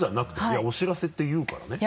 いやお知らせって言うからね。